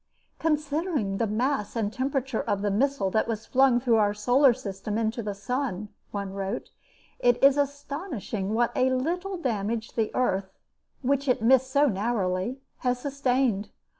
"Considering the mass and temperature of the missile that was flung through our solar system into the sun," one wrote, "it is astonishing what a little damage the earth, which it missed so narrowly, has sustained.